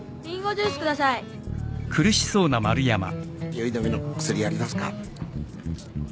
酔い止めの薬ありますか？